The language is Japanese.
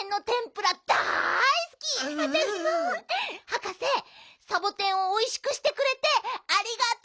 はかせサボテンをおいしくしてくれてありがとう。